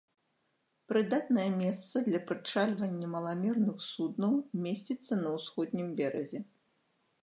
Прыдатнае месца для прычальвання маламерных суднаў месціцца на усходнім беразе.